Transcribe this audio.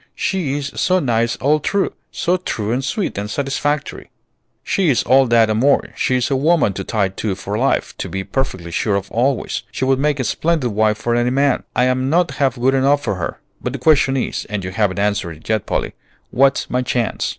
She's so nice all through, so true and sweet and satisfactory." "She is all that and more; she's a woman to tie to for life, to be perfectly sure of always. She would make a splendid wife for any man. I'm not half good enough for her; but the question is, and you haven't answered it yet, Polly, what's my chance?"